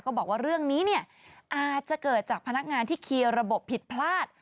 บอกว่าเรื่องนี้เนี่ยอาจจะเกิดจากพนักงานที่เคลียร์ระบบผิดพลาด